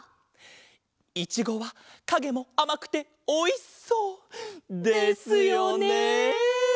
いちごはかげもあまくておいしそう！ですよね！